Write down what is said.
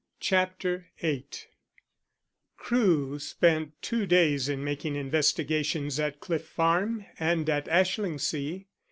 CHAPTER VIII CREWE spent two days in making investigations at Cliff Farm and at Ashlingsea.